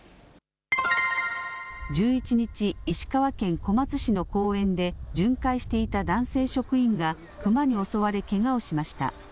１１日、石川県小松市の公園で巡回していた男性職員がクマに襲われけがをしました。